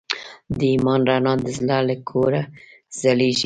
د ایمان رڼا د زړه له کوره ځلېږي.